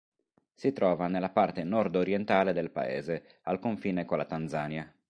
Si trova nella parte nordorientale del paese, al confine con la Tanzania.